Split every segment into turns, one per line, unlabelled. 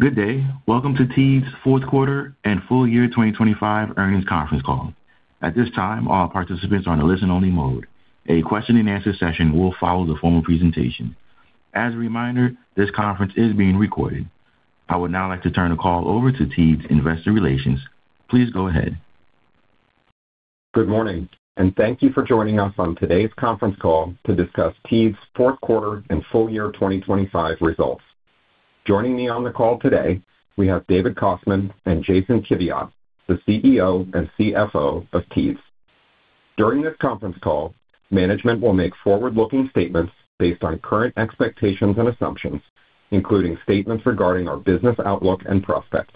Good day. Welcome to Teads' Fourth Quarter and Full Year 2025 Earnings Conference Call. At this time, all participants are on a listen-only mode. A question-and-answer session will follow the formal presentation. As a reminder, this conference is being recorded. I would now like to turn the call over to Teads Investor Relations. Please go ahead.
Good morning, thank you for joining us on today's conference call to discuss Teads' fourth quarter and full year 2025 results. Joining me on the call today, we have David Kostman and Jason Kiviat, the CEO and CFO of Teads. During this conference call, management will make forward-looking statements based on current expectations and assumptions, including statements regarding our business outlook and prospects.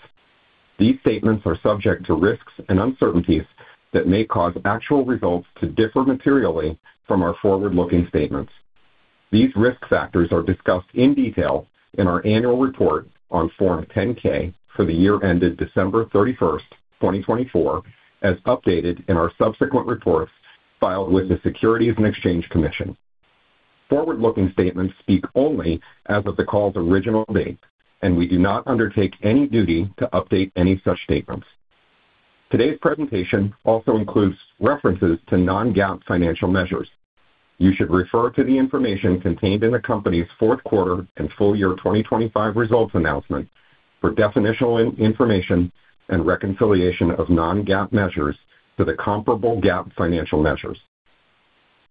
These statements are subject to risks and uncertainties that may cause actual results to differ materially from our forward-looking statements. These risk factors are discussed in detail in our annual report on Form 10-K for the year ended December 31st 2024, as updated in our subsequent reports filed with the Securities and Exchange Commission. Forward-looking statements speak only as of the call's original date, we do not undertake any duty to update any such statements. Today's presentation also includes references to non-GAAP financial measures. You should refer to the information contained in the company's fourth quarter and full year 2025 results announcement for definitional information and reconciliation of non-GAAP measures to the comparable GAAP financial measures.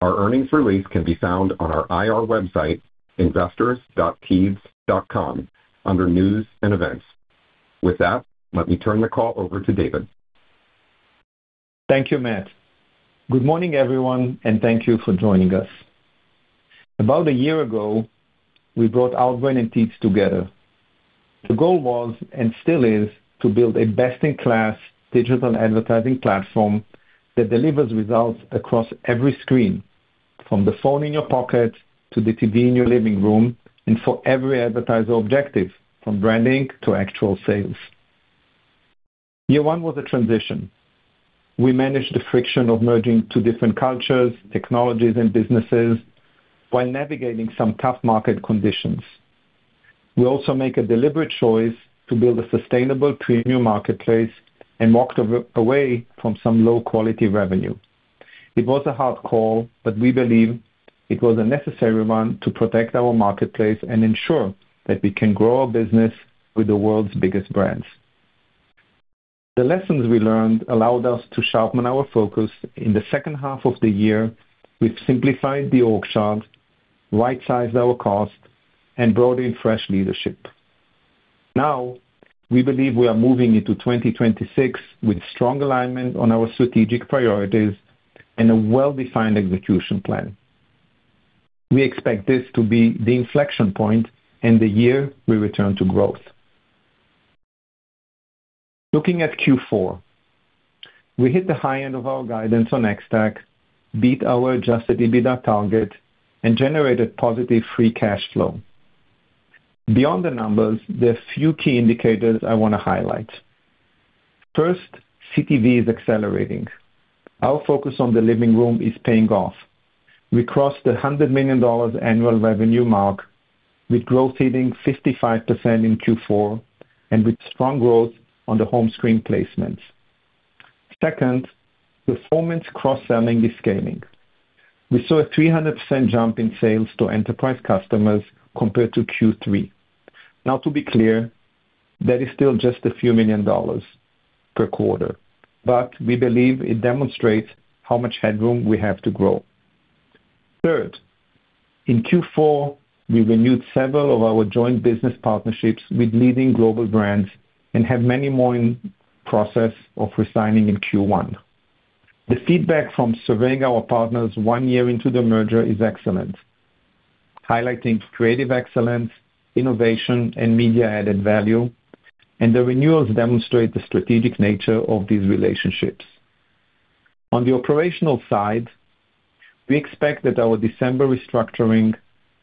Our earnings release can be found on our IR website, investors.teads.com, under News and Events. Let me turn the call over to David.
Thank you, Matt. Good morning, everyone, and thank you for joining us. About a year ago, we brought Outbrain and Teads together. The goal was, and still is, to build a best-in-class digital advertising platform that delivers results across every screen, from the phone in your pocket to the TV in your living room, and for every advertiser objective, from branding to actual sales. Year one was a transition. We managed the friction of merging two different cultures, technologies, and businesses while navigating some tough market conditions. We also make a deliberate choice to build a sustainable premium marketplace and walked away from some low-quality revenue. It was a hard call, but we believe it was a necessary one to protect our marketplace and ensure that we can grow our business with the world's biggest brands. The lessons we learned allowed us to sharpen our focus. In the second half of the year, we've simplified the org chart, right-sized our cost, and brought in fresh leadership. We believe we are moving into 2026 with strong alignment on our strategic priorities and a well-defined execution plan. We expect this to be the inflection point and the year we return to growth. Looking at Q4, we hit the high end of our guidance on Ex-TAC, beat our adjusted EBITDA target, and generated positive free cash flow. Beyond the numbers, there are few key indicators I wanna highlight. First, CTV is accelerating. Our focus on the living room is paying off. We crossed the $100 million annual revenue mark with growth hitting 55% in Q4 and with strong growth on the home screen placements. Second, performance cross-selling is scaling. We saw a 300% jump in sales to enterprise customers compared to Q3. To be clear, that is still just a few million dollars per quarter, but we believe it demonstrates how much headroom we have to grow. Third, in Q4, we renewed several of our joint business partnerships with leading global brands and have many more in process of resigning in Q1. The feedback from surveying our partners one year into the merger is excellent, highlighting creative excellence, innovation, and media-added value, and the renewals demonstrate the strategic nature of these relationships. On the operational side, we expect that our December restructuring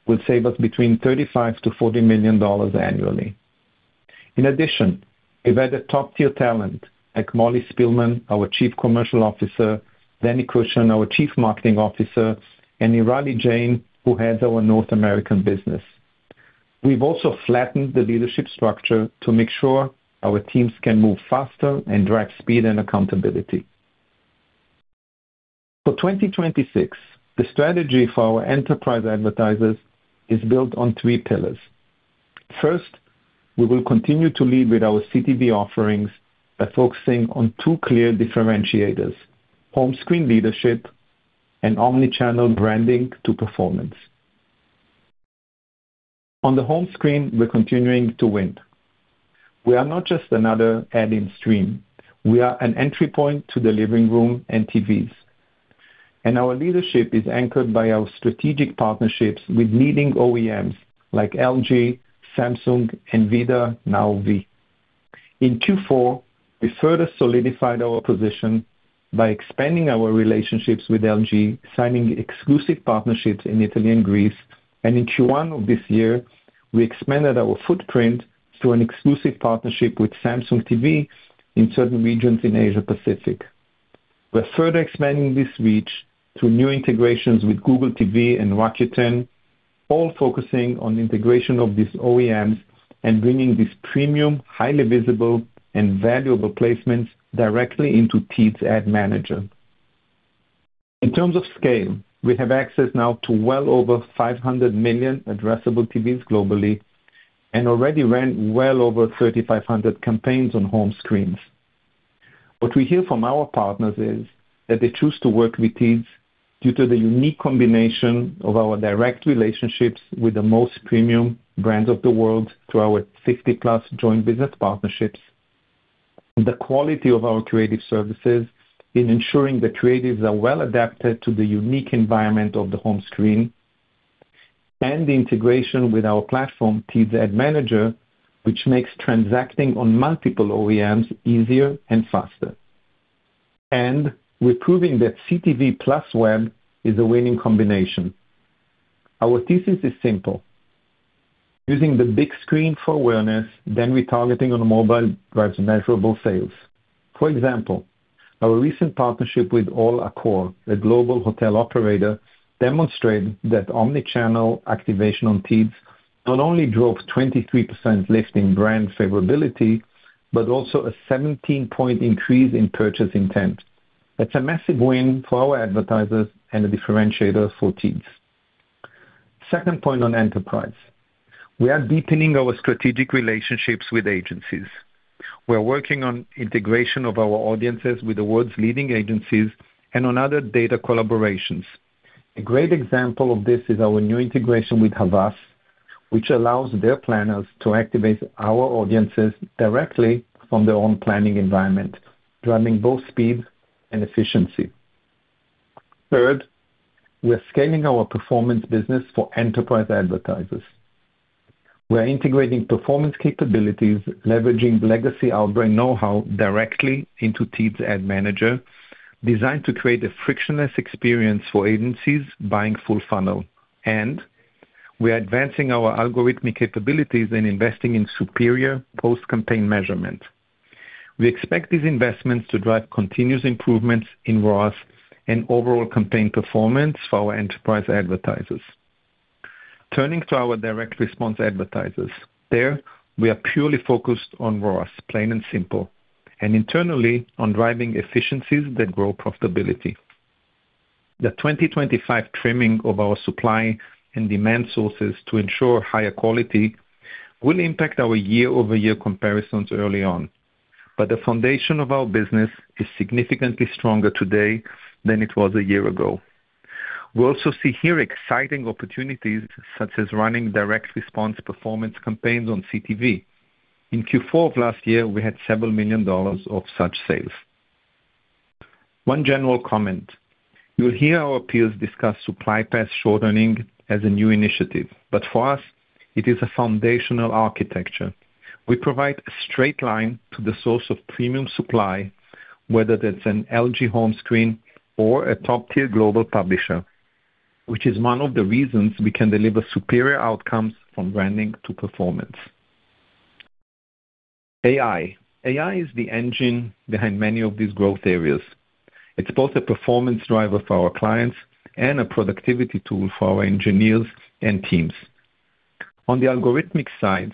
will save us between $35 million-$40 million annually. In addition, we've added top-tier talent like Mollie Spilman, our Chief Commercial Officer, Dani Cushion, our Chief Marketing Officer, and Nirali Jain, who heads our North American business. We've also flattened the leadership structure to make sure our teams can move faster and drive speed and accountability. For 2026, the strategy for our enterprise advertisers is built on three pillars. First, we will continue to lead with our CTV offerings by focusing on two clear differentiators: home screen leadership and omni-channel branding to performance. On the home screen, we're continuing to win. We are not just another ad in stream. We are an entry point to the living room and TVs, and our leadership is anchored by our strategic partnerships with leading OEMs like LG, Samsung, and VIDAA, now V. In Q4, we further solidified our position by expanding our relationships with LG, signing exclusive partnerships in Italy and Greece. In Q1 of this year, we expanded our footprint through an exclusive partnership with Samsung TV in certain regions in Asia-Pacific. We're further expanding this reach to new integrations with Google TV and Rakuten, all focusing on integration of these OEMs and bringing these premium, highly visible and valuable placements directly into Teads Ad Manager. In terms of scale, we have access now to well over 500 million addressable TVs globally and already ran well over 3,500 campaigns on home screens. What we hear from our partners is that they choose to work with Teads due to the unique combination of our direct relationships with the most premium brands of the world through our 50+ joint business partnerships, the quality of our creative services in ensuring the creatives are well adapted to the unique environment of the home screen, and the integration with our platform, Teads Ad Manager, which makes transacting on multiple OEMs easier and faster. We're proving that CTV plus web is a winning combination. Our thesis is simple: using the big screen for awareness, then retargeting on mobile drives measurable sales. For example, our recent partnership with All Accor, a global hotel operator, demonstrated that omni-channel activation on Teads not only drove 23% lift in brand favorability, but also a 17-point increase in purchase intent. That's a massive win for our advertisers and a differentiator for Teads. Second point on enterprise. We are deepening our strategic relationships with agencies. We are working on integration of our audiences with the world's leading agencies and on other data collaborations. A great example of this is our new integration with Havas, which allows their planners to activate our audiences directly from their own planning environment, driving both speed and efficiency. Third, we are scaling our performance business for enterprise advertisers. We are integrating performance capabilities, leveraging legacy Outbrain know-how directly into Teads Ad Manager, designed to create a frictionless experience for agencies buying full funnel. We are advancing our algorithmic capabilities and investing in superior post-campaign measurement. We expect these investments to drive continuous improvements in ROAS and overall campaign performance for our enterprise advertisers. Turning to our direct response advertisers. There, we are purely focused on ROAS, plain and simple, and internally on driving efficiencies that grow profitability. The 2025 trimming of our supply and demand sources to ensure higher quality will impact our year-over-year comparisons early on. The foundation of our business is significantly stronger today than it was a year ago. We also see here exciting opportunities such as running direct response performance campaigns on CTV. In Q4 of last year, we had several million dollars of such sales. One general comment. You'll hear our peers discuss supply path shortening as a new initiative, but for us it is a foundational architecture. We provide a straight line to the source of premium supply, whether that's an LG home screen or a top-tier global publisher, which is one of the reasons we can deliver superior outcomes from branding to performance. AI. AI is the engine behind many of these growth areas. It's both a performance driver for our clients and a productivity tool for our engineers and teams. On the algorithmic side,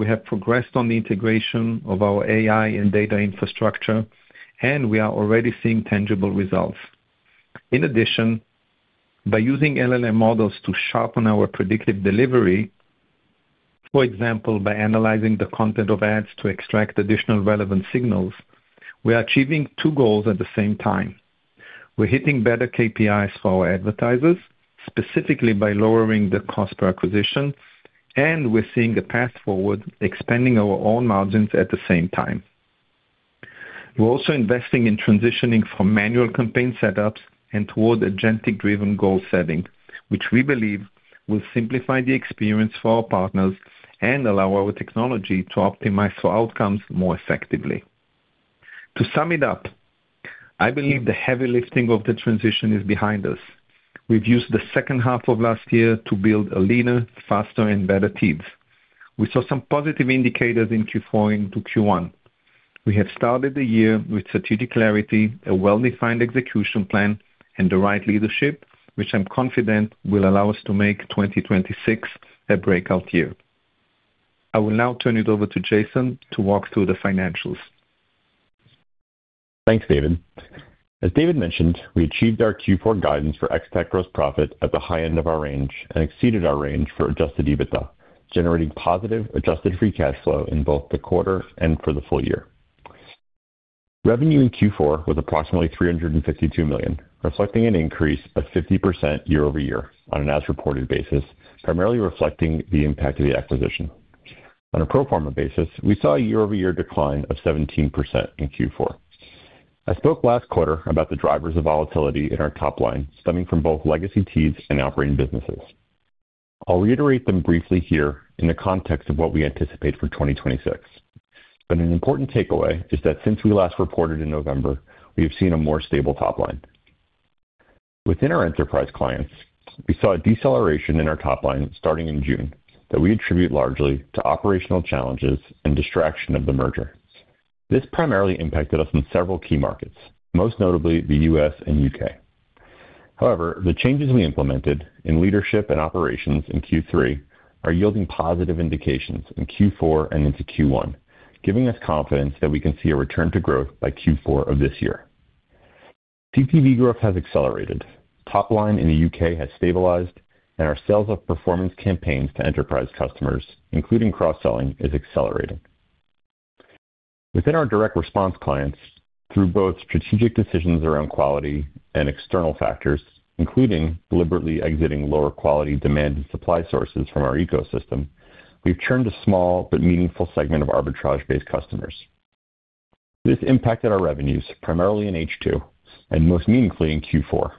we have progressed on the integration of our AI and data infrastructure, and we are already seeing tangible results. In addition, by using LLM models to sharpen our predictive delivery, for example, by analyzing the content of ads to extract additional relevant signals, we are achieving two goals at the same time. We're hitting better KPIs for our advertisers, specifically by lowering the cost per acquisition, and we're seeing a path forward expanding our own margins at the same time. We're also investing in transitioning from manual campaign setups and toward agentic-driven goal setting, which we believe will simplify the experience for our partners and allow our technology to optimize for outcomes more effectively. To sum it up, I believe the heavy lifting of the transition is behind us. We've used the second half of last year to build a leaner, faster, and better Teads. We saw some positive indicators in Q4 into Q1. We have started the year with strategic clarity, a well-defined execution plan, and the right leadership, which I'm confident will allow us to make 2026 a breakout year. I will now turn it over to Jason to walk through the financials.
Thanks, David. As David mentioned, we achieved our Q4 guidance for Ex-TAC gross profit at the high end of our range and exceeded our range for adjusted EBITDA, generating positive adjusted Free Cash Flow in both the quarter and for the full year. Revenue in Q4 was approximately $352 million, reflecting an increase of 50% year-over-year on an as-reported basis, primarily reflecting the impact of the acquisition. On a pro-forma basis, we saw a year-over-year decline of 17% in Q4. I spoke last quarter about the drivers of volatility in our top line stemming from both legacy Teads and Outbrain businesses. I'll reiterate them briefly here in the context of what we anticipate for 2026. An important takeaway is that since we last reported in November, we have seen a more stable top line. Within our enterprise clients, we saw a deceleration in our top line starting in June that we attribute largely to operational challenges and distraction of the merger. This primarily impacted us in several key markets, most notably the U.S. and U.K. However, the changes we implemented in leadership and operations in Q3 are yielding positive indications in Q4 and into Q1, giving us confidence that we can see a return to growth by Q4 of this year. CPV growth has accelerated. Top line in the U.K. has stabilized, and our sales of performance campaigns to enterprise customers, including cross-selling, is accelerating. Within our direct response clients, through both strategic decisions around quality and external factors, including deliberately exiting lower-quality demand and supply sources from our ecosystem, we've turned a small but meaningful segment of arbitrage-based customers. This impacted our revenues primarily in H2 and most meaningfully in Q4.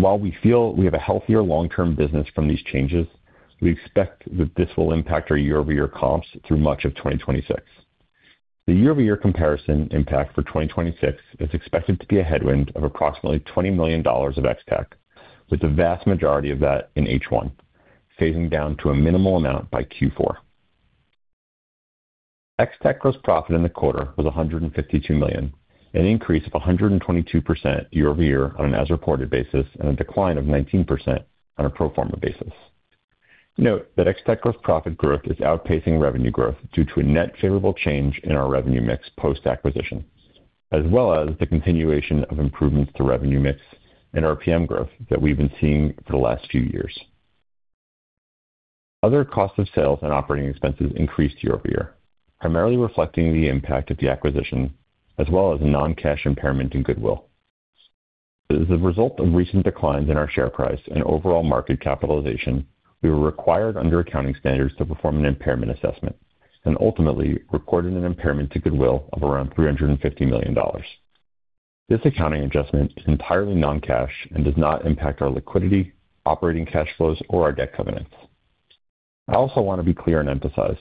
While we feel we have a healthier long-term business from these changes, we expect that this will impact our year-over-year comps through much of 2026. The year-over-year comparison impact for 2026 is expected to be a headwind of approximately $20 million of Ex-TAC, with the vast majority of that in H1, phasing down to a minimal amount by Q4. Ex-TAC gross profit in the quarter was $152 million, an increase of 122% year-over-year on an as-reported basis and a decline of 19% on a pro-forma basis. Note that Ex-TAC gross profit growth is outpacing revenue growth due to a net favorable change in our revenue mix post-acquisition, as well as the continuation of improvements to revenue mix and RPM growth that we've been seeing for the last few years. Other cost of sales and operating expenses increased year-over-year, primarily reflecting the impact of the acquisition as well as non-cash impairment in goodwill. As a result of recent declines in our share price and overall market capitalization, we were required under accounting standards to perform an impairment assessment and ultimately recorded an impairment to goodwill of around $350 million. This accounting adjustment is entirely non-cash and does not impact our liquidity, operating cash flows, or our debt covenants. I also want to be clear and emphasize,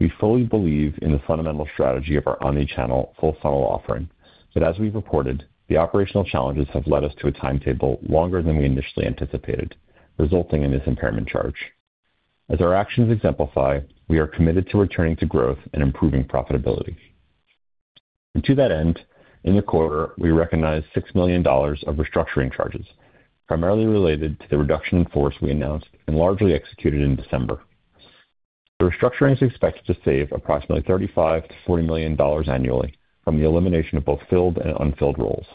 we fully believe in the fundamental strategy of our omni-channel full funnel offering, but as we've reported, the operational challenges have led us to a timetable longer than we initially anticipated, resulting in this impairment charge. As our actions exemplify, we are committed to returning to growth and improving profitability. To that end, in the quarter, we recognized $6 million of restructuring charges, primarily related to the reduction in force we announced and largely executed in December. The restructuring is expected to save approximately $35 million-$40 million annually from the elimination of both filled and unfilled roles.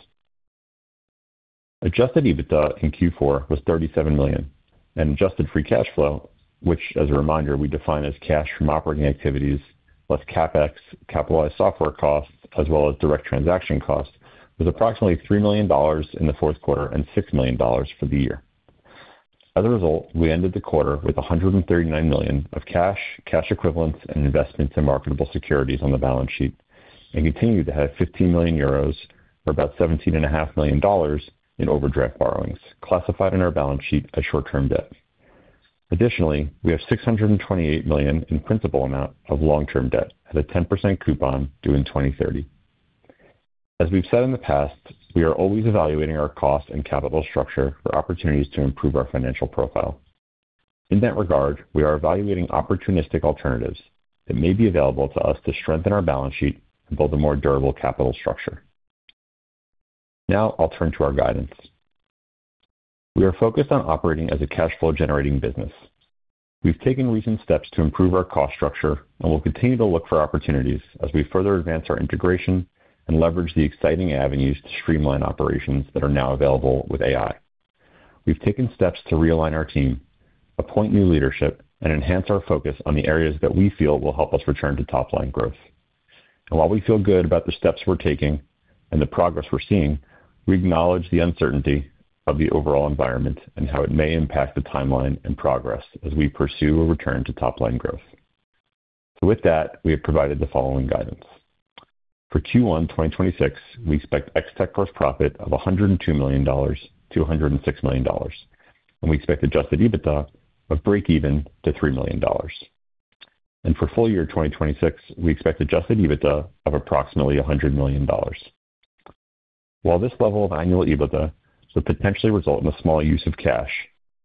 Adjusted EBITDA in Q4 was $37 million, and adjusted free cash flow, which as a reminder, we define as cash from operating activities plus CapEx, capitalized software costs, as well as direct transaction costs, was approximately $3 million in the fourth quarter and $6 million for the year. As a result, we ended the quarter with $139 million of cash equivalents, and investments in marketable securities on the balance sheet and continued to have 15 million euros, or about $17.5 million, in overdraft borrowings, classified on our balance sheet as short-term debt. Additionally, we have $628 million in principal amount of long-term debt at a 10% coupon due in 2030. As we've said in the past, we are always evaluating our cost and capital structure for opportunities to improve our financial profile. In that regard, we are evaluating opportunistic alternatives that may be available to us to strengthen our balance sheet and build a more durable capital structure. Now I'll turn to our guidance. We are focused on operating as a cash-flow-generating business. We've taken recent steps to improve our cost structure and will continue to look for opportunities as we further advance our integration and leverage the exciting avenues to streamline operations that are now available with AI. We've taken steps to realign our team, appoint new leadership, and enhance our focus on the areas that we feel will help us return to top-line growth. While we feel good about the steps we're taking and the progress we're seeing, we acknowledge the uncertainty of the overall environment and how it may impact the timeline and progress as we pursue a return to top-line growth. With that, we have provided the following guidance. For Q1 2026, we expect Ex-TAC gross profit of $102 million-$106 million. We expect adjusted EBITDA of breakeven to $3 million. For full year 2026, we expect adjusted EBITDA of approximately $100 million. While this level of annual EBITDA would potentially result in a small use of cash,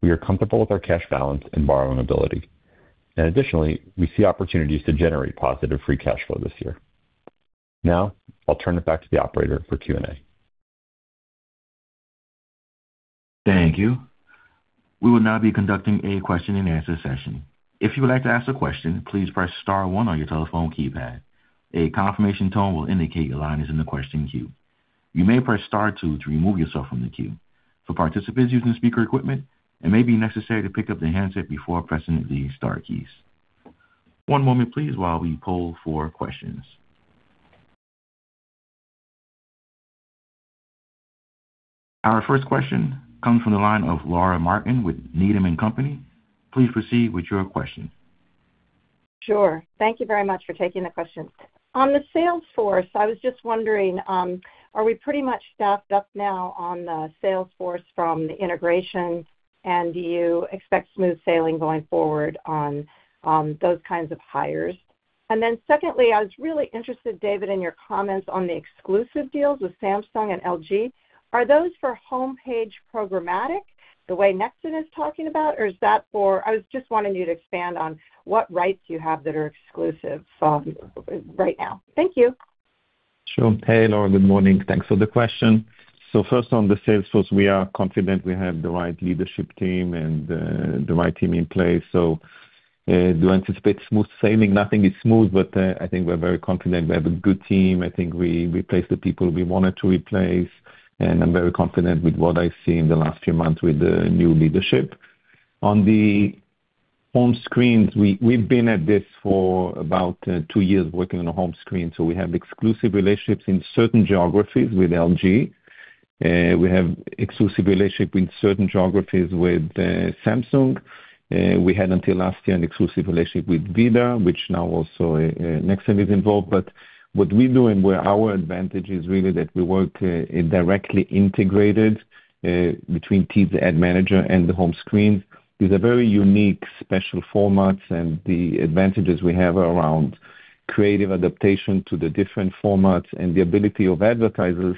we are comfortable with our cash balance and borrowing ability. Additionally, we see opportunities to generate positive free cash flow this year. I'll turn it back to the operator for Q&A.
Thank you. We will now be conducting a question-and-answer session. If you would like to ask a question, please press star one on your telephone keypad. A confirmation tone will indicate your line is in the question queue. You may press star two to remove yourself from the queue. For participants using speaker equipment, it may be necessary to pick up the handset before pressing the star keys. One moment please while we poll for questions. Our first question comes from the line of Laura Martin with Needham & Company. Please proceed with your question.
Sure. Thank you very much for taking the question. On the sales force, I was just wondering, are we pretty much staffed up now on the sales force from the integration, and do you expect smooth sailing going forward on those kinds of hires? Secondly, I was really interested, David, in your comments on the exclusive deals with Samsung and LG. Are those for homepage programmatic the way Nexxen is talking about, or is that for... I was just wanting you to expand on what rights you have that are exclusive for right now. Thank you.
Sure. Hey, Laura. Good morning. Thanks for the question. First, on the sales force, we are confident we have the right leadership team and the right team in place. Do I anticipate smooth sailing? Nothing is smooth, but I think we're very confident. We have a good team. I think we replaced the people we wanted to replace, and I'm very confident with what I've seen in the last few months with the new leadership. On the home screens, we've been at this for about two years working on the home screen. We have exclusive relationships in certain geographies with LG. We have exclusive relationship in certain geographies with Samsung. We had until last year an exclusive relationship with VIDAA, which now also Nexxen is involved. What we do and where our advantage is really that we work directly integrated between Teads Ad Manager and the home screen with a very unique special formats and the advantages we have around creative adaptation to the different formats and the ability of advertisers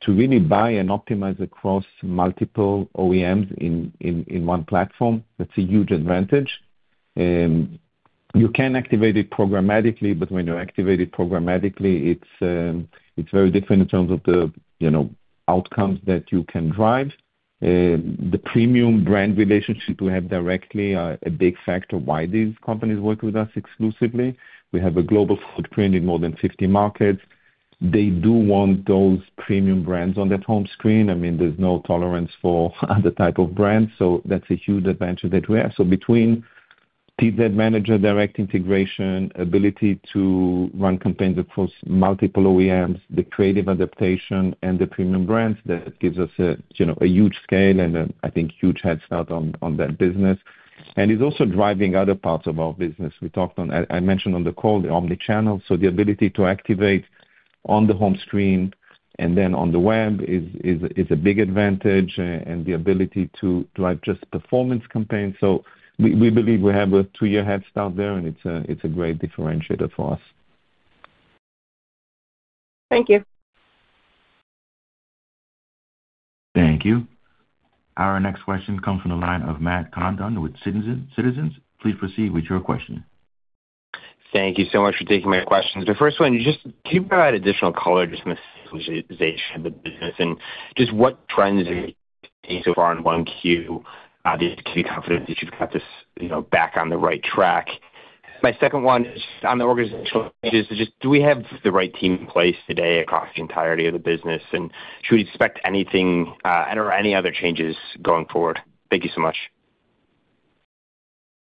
to really buy and optimize across multiple OEMs in one platform. That's a huge advantage. You can activate it programmatically, but when you activate it programmatically, it's very different in terms of the, you know, outcomes that you can drive. The premium brand relationship we have directly are a big factor why these companies work with us exclusively. We have a global footprint in more than 50 markets. They do want those premium brands on that home screen. I mean, there's no tolerance for other type of brands, so that's a huge advantage that we have. Between Teads Ad Manager direct integration, ability to run campaigns across multiple OEMs, the creative adaptation and the premium brands, that gives us a, you know, a huge scale and a, I think, huge head start on that business. It's also driving other parts of our business. I mentioned on the call the omni-channel. The ability to activate on the home screen and then on the web is a big advantage and the ability to drive just performance campaigns. We believe we have a two-year head start there, and it's a, it's a great differentiator for us.
Thank you.
Thank you. Our next question comes from the line of Matt Condon with Citizens. Please proceed with your question.
Thank you so much for taking my questions. The first one, just can you provide additional color just on the stabilization of the business and just what trends you've seen so far in 1Q gives you confidence that you've got this, you know, back on the right track? My second one is on the organizational changes. Just do we have the right team in place today across the entirety of the business, and should we expect anything or any other changes going forward? Thank you so much.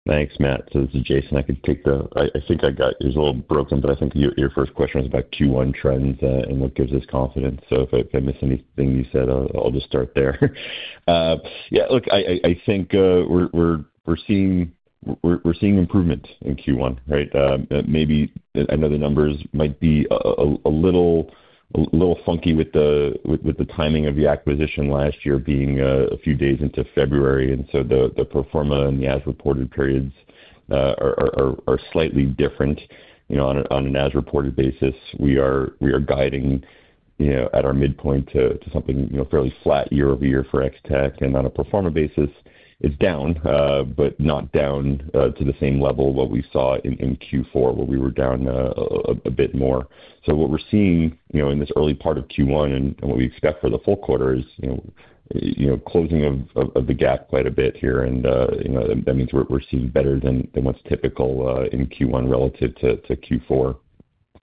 Thanks, Matt. This is Jason. It was a little broken, but I think your first question was about Q1 trends and what gives us confidence. If I missed anything you said, I'll just start there. Yeah, look, I think, we're seeing improvement in Q1, right? Maybe, I know the numbers might be a little funky with the timing of the acquisition last year being a few days into February. The pro-forma and the as-reported periods are slightly different. You know, on an as-reported basis, we are guiding, you know, at our midpoint to something, you know, fairly flat year-over-year for Ex-TAC, and on a pro-forma basis, it's down, but not down to the same level what we saw in Q4, where we were down a bit more. What we're seeing, you know, in this early part of Q1 and what we expect for the full quarter is, you know, closing of the gap quite a bit here. You know, that means we're seeing better than what's typical in Q1 relative to Q4.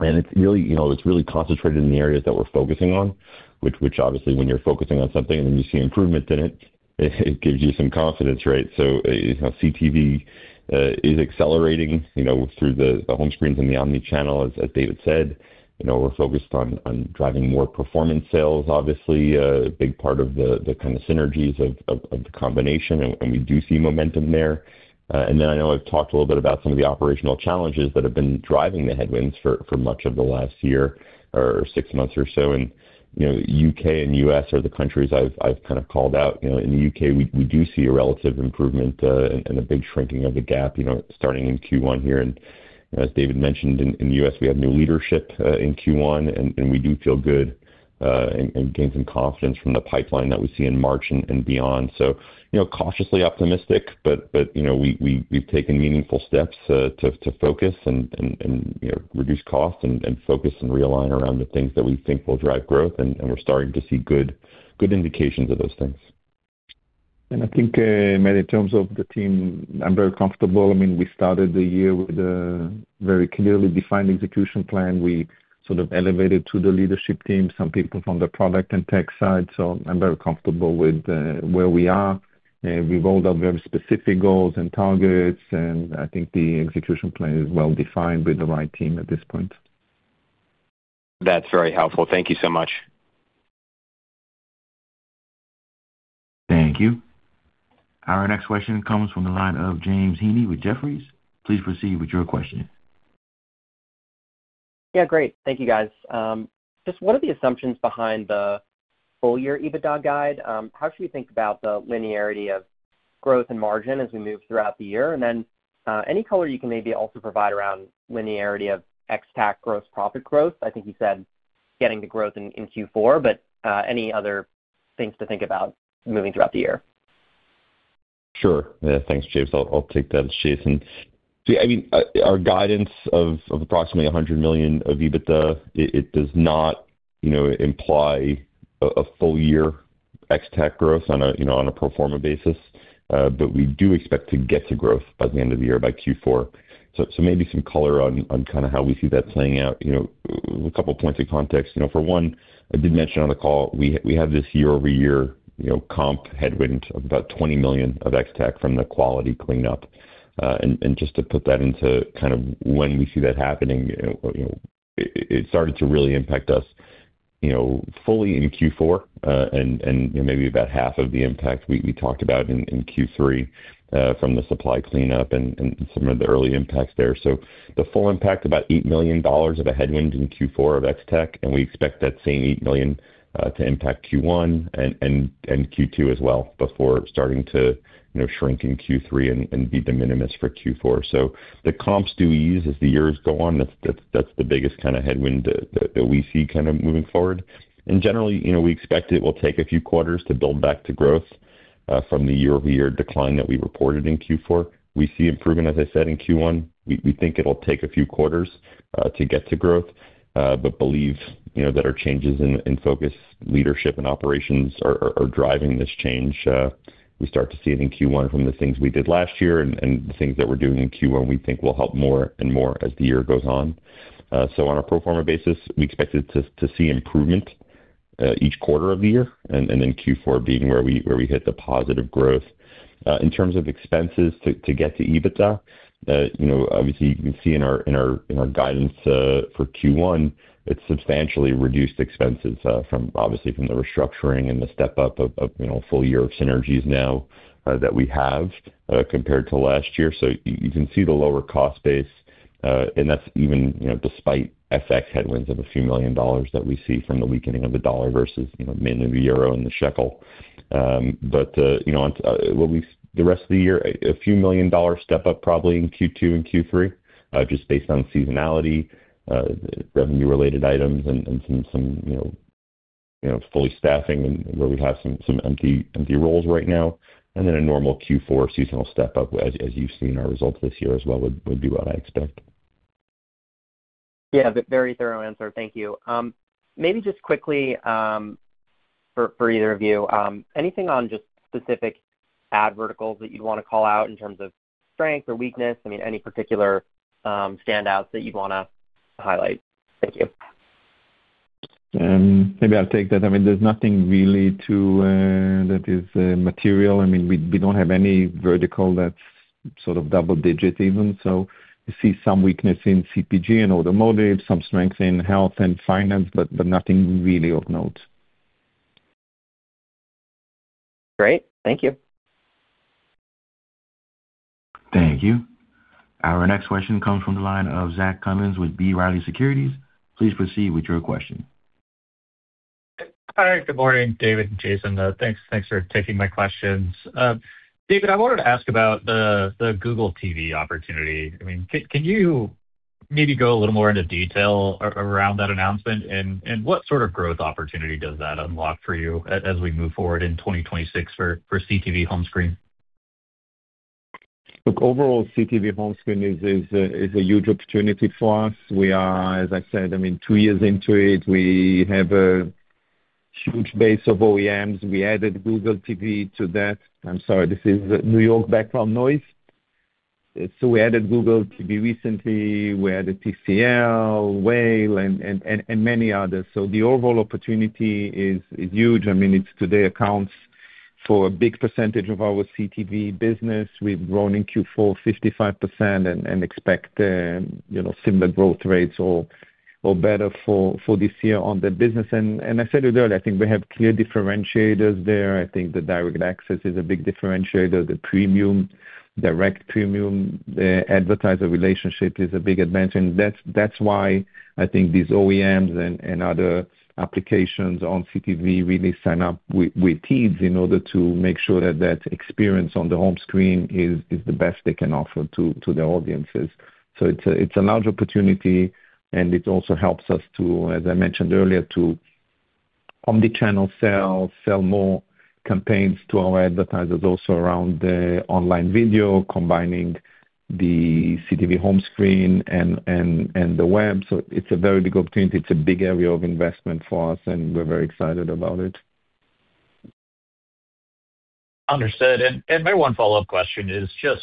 It's really, you know, it's really concentrated in the areas that we're focusing on, which obviously when you're focusing on something and then you see improvement in it gives you some confidence, right? You know, CTV is accelerating, you know, through the home screens and the omni-channel as David said. You know, we're focused on driving more performance sales, obviously, a big part of the kind of synergies of the combination, and we do see momentum there. Then I know I've talked a little bit about some of the operational challenges that have been driving the headwinds for much of the last year or six months or so. You know, U.K. and U.S. are the countries I've kind of called out. You know, in the U.K., we do see a relative improvement, and a big shrinking of the gap, you know, starting in Q1 here. You know, as David mentioned, in the U.S., we have new leadership in Q1, and we do feel good, and gain some confidence from the pipeline that we see in March and beyond. You know, cautiously optimistic, but, you know, we've taken meaningful steps to focus and, you know, reduce costs and focus and realign around the things that we think will drive growth, and we're starting to see good indications of those things.
I think, Matt, in terms of the team, I'm very comfortable. I mean, we started the year with a very clearly defined execution plan. We sort of elevated to the leadership team some people from the product and tech side. I'm very comfortable with where we are. We've rolled out very specific goals and targets. I think the execution plan is well defined with the right team at this point.
That's very helpful. Thank you so much.
Thank you. Our next question comes from the line of James Heaney with Jefferies. Please proceed with your question.
Yeah, great. Thank you, guys. Just what are the assumptions behind the full year EBITDA guide? How should we think about the linearity of growth and margin as we move throughout the year? Any color you can maybe also provide around linearity of Ex-TAC gross profit growth? I think you said getting the growth in Q4, but, any other things to think about moving throughout the year?
Sure. Yeah, thanks, James. I'll take that, Jason. See, I mean, our guidance of approximately $100 million of EBITDA, it does not, you know, imply a full year Ex-TAC growth on a, you know, on a pro-forma basis. We do expect to get to growth by the end of the year, by Q4. Maybe some color on kind of how we see that playing out. You know, a couple points of context. You know, for one, I did mention on the call we have this year-over-year, you know, comp headwind of about $20 million of Ex-TAC from the quality cleanup. Just to put that into kind of when we see that happening, you know, it started to really impact us, you know, fully in Q4, and maybe about half of the impact we talked about in Q3, from the supply cleanup and some of the early impacts there. The full impact, about $8 million of a headwind in Q4 of Ex-TAC, and we expect that same $8 million to impact Q1 and Q2 as well before starting to, you know, shrink in Q3 and be de minimis for Q4. The comps do ease as the years go on. That's the biggest kind of headwind that we see kind of moving forward. Generally, you know, we expect it will take a few quarters to build back to growth from the year-over-year decline that we reported in Q4. We see improvement, as I said, in Q1. We think it'll take a few quarters to get to growth, but believe, you know, that our changes in focus, leadership and operations are driving this change, we start to see it in Q1 from the things we did last year and the things that we're doing in Q1, we think will help more and more as the year goes on. On a pro-forma basis, we expected to see improvement each quarter of the year and then Q4 being where we hit the positive growth. In terms of expenses to get to EBITDA, you know, obviously you can see in our guidance for Q1, it's substantially reduced expenses from obviously from the restructuring and the step up of, you know, full year of synergies now that we have compared to last year. You can see the lower cost base. That's even, you know, despite FX headwinds of a few million dollars that we see from the weakening of the dollar versus, you know, mainly the euro and the shekel. You know, on the rest of the year, a few million dollar step up, probably in Q2 and Q3, just based on seasonality, revenue-related items and some, you know, fully staffing and where we have some empty roles right now. A normal Q4 seasonal step up as you've seen our results this year as well, would be what I expect.
Yeah, very thorough answer. Thank you. Maybe just quickly, for either of you, anything on just specific ad verticals that you'd want to call out in terms of strength or weakness? I mean, any particular standouts that you'd wanna highlight? Thank you.
Maybe I'll take that. I mean, there's nothing really to that is material. I mean, we don't have any vertical that's sort of double-digit even. We see some weakness in CPG and automotive, some strength in health and finance, but nothing really of note.
Great. Thank you.
Thank you. Our next question comes from the line of Zach Cummins with B. Riley Securities. Please proceed with your question.
Hi. Good morning, David and Jason. Thanks for taking my questions. David, I wanted to ask about the Google TV opportunity. I mean, can you maybe go a little more into detail around that announcement? What sort of growth opportunity does that unlock for you as we move forward in 2026 for CTV home screen?
Look, overall, CTV home screen is a huge opportunity for us. We are, as I said, I mean, two years into it. We have a huge base of OEMs. We added Google TV to that. I'm sorry, this is New York background noise. We added Google TV recently. We added TCL, Whale and many others. The overall opportunity is huge. I mean, it today accounts for a big percentage of our CTV business. We've grown in Q4 55% and expect, you know, similar growth rates or better for this year on that business. I said it earlier, I think we have clear differentiators there. I think the direct access is a big differentiator. The direct premium advertiser relationship is a big advantage, and that's why I think these OEMs and other applications on CTV really sign up with Teads in order to make sure that experience on the home screen is the best they can offer to their audiences. It's a large opportunity, and it also helps us to, as I mentioned earlier, to omni-channel sell more campaigns to our advertisers also around online video, combining the CTV home screen and the web. It's a very big opportunity. It's a big area of investment for us, and we're very excited about it.
Understood. My one follow-up question is just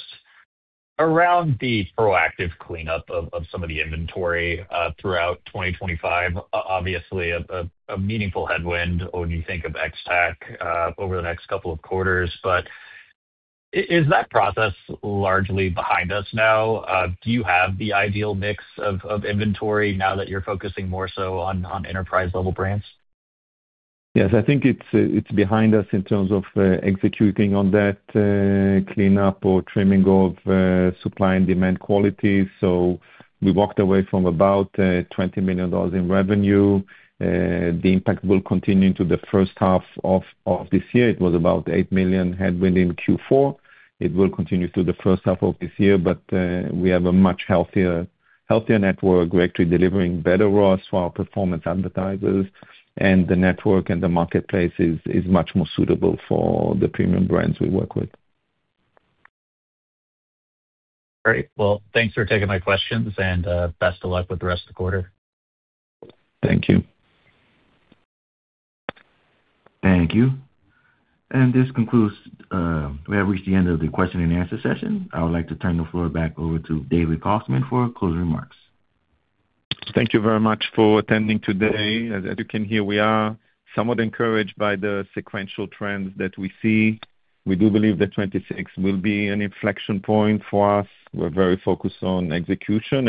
around the proactive cleanup of some of the inventory throughout 2025. Obviously a meaningful headwind when you think of Ex-TAC over the next couple of quarters. Is that process largely behind us now? Do you have the ideal mix of inventory now that you're focusing more so on enterprise-level brands?
Yes. I think it's behind us in terms of executing on that cleanup or trimming of supply and demand quality. We walked away from about $20 million in revenue. The impact will continue into the first half of this year. It was about $8 million headwind in Q4. It will continue through the first half of this year. We have a much healthier network, we're actually delivering better ROAS for our performance advertisers, and the network and the marketplace is much more suitable for the premium brands we work with.
Great. Well, thanks for taking my questions, and best of luck with the rest of the quarter.
Thank you.
Thank you. This concludes. We have reached the end of the question-and-answer session. I would like to turn the floor back over to David Kostman for closing remarks.
Thank you very much for attending today. As you can hear, we are somewhat encouraged by the sequential trends that we see. We do believe that 2026 will be an inflection point for us. We're very focused on execution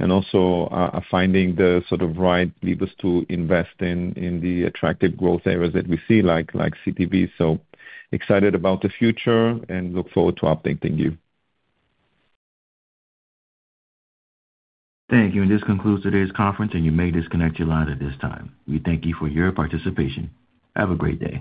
and also finding the sort of right levers to invest in the attractive growth areas that we see like CTV. Excited about the future and look forward to updating you.
Thank you. This concludes today's conference, and you may disconnect your line at this time. We thank you for your participation. Have a great day.